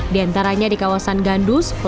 di antaranya di kawasan gandus pelaju sukarema